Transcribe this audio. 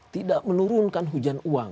tidak menurunkan hujan uang